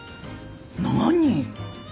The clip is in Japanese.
何？